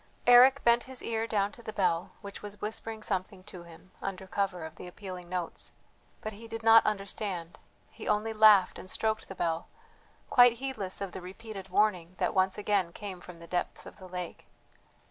Eric bent his ear down to the bell, which was whispering something to him under cover of the appealing notes, but he did not understand, he only laughed and stroked the bell, quite heedless of the repeated warning that once again came from the depths of the lake.